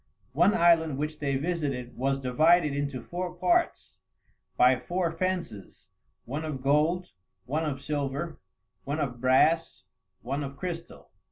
One island which they visited was divided into four parts by four fences, one of gold, one of silver, one of brass, one of crystal.